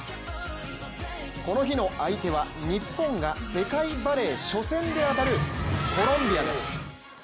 この日の相手は日本が世界バレー初戦で当たるコロンビアです。